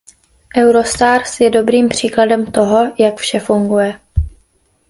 Eurostars je dobrým příkladem toho, jak vše funguje.